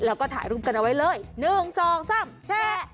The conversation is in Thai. แล้วก็ถ่ายรูปกันเอาไว้เลย๑๒๓แชร์